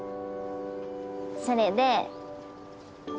それで。